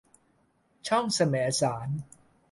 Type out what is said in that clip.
ช่องแสมสาร